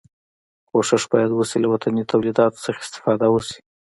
کوښښ باید وشي له وطني تولیداتو څخه استفاده وشي.